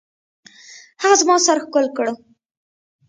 هغه زما سر ښکل کړ.